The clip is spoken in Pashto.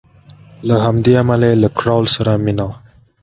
له همدې امله یې له کراول سره مینه وه.